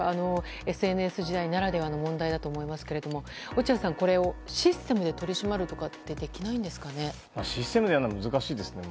ＳＮＳ時代ならではの問題だと思いますけれども落合さん、これをシステムで取り締まることはシステムでやるのは難しいですよね。